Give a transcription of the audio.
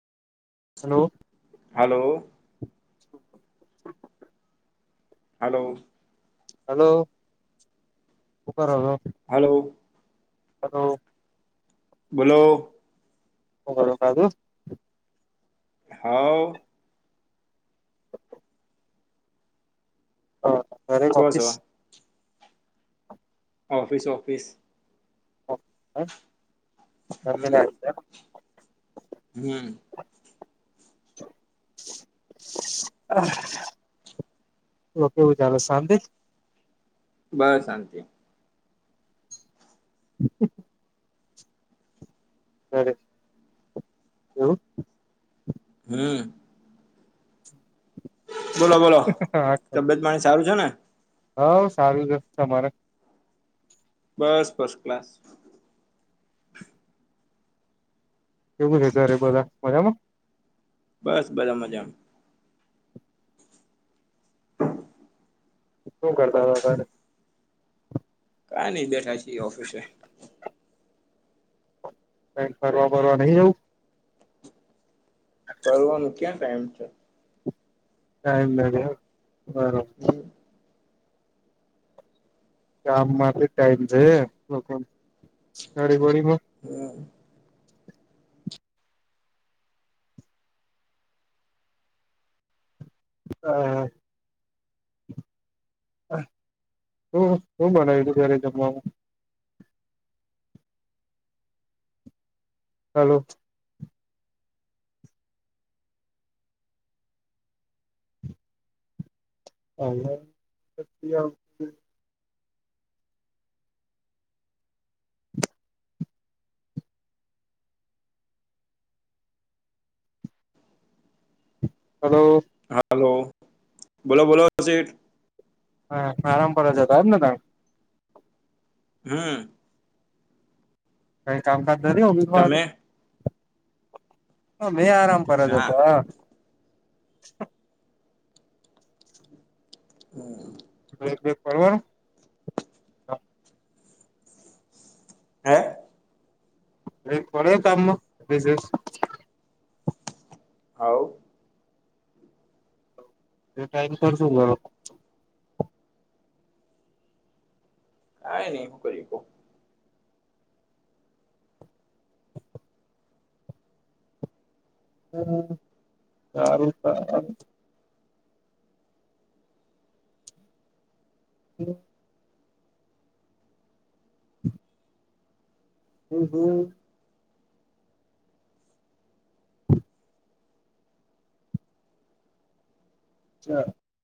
Hello. Hello. Hello. Hello હુ કરો છો. હલો. હલો. બોલો. હ કરો ખાધું. હાવ. હ મારે છો ઓફીસ છો ઓફિસ-ઓફિસ. ઓફીસ એમ. હમ્મ. [inaudible] તો કેવું ચાલે શાંતિ. બસ શાંતિ. હમ્મ. એવુ. હમ્મ. બોલો-બોલો તબિયત પાણી સારું છે ને. હોવ સારું જ તમારે. બસ ફસ્ટ ક્લાસ. કેવું છે ઘરે બધા મજામાં. બસ બધા મજામાં. શું કરતા હતા તમે. કાઈ નઈ બેઠા છી ઓફિસે. કઈ ફરવા બરવા નહી જવું. ફરવાનું ક્યાં ટાઈમ હે. ટાઈમ નહીં એમ બરોબર. હમ્મ. કામ માટે ટાઈમ છે, લોકોડી બડીમાં. હમ. હ, હ. શું શું બનાયલું ત્યારે જમવામાં? હલો. હ. હલો. હાલો, બોલો-બોલો શેઠ? હા, આરામ પર જતા ને તમે. હમ. કઈ કામકાજ દરી હોગી તો આજે. તમે હ, મેં આરામ કર જ હા હતો. હમ. બે બે પરર [unintelligible] હે. એ પડ કામ બસ. હઉ. એ ટાઈમ કર જું. કઈ નહી, હું કરીશ. [unintelligible] હ, સારું, સારું. હ. હમ, હમ. અચ્છા.